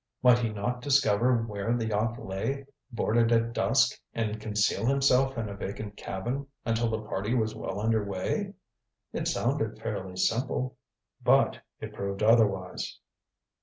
Might he not discover where the yacht lay, board it at dusk, and conceal himself in a vacant cabin until the party was well under way? It sounded fairly simple. But it proved otherwise.